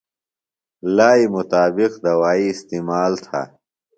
لائی مطابق دوائی استعمال تھہ۔